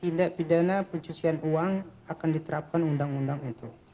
kita akan menerapkan yang namanya pencucian uang akan diterapkan undang undang itu